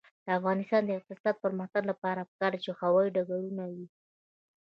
د افغانستان د اقتصادي پرمختګ لپاره پکار ده چې هوايي ډګرونه وي.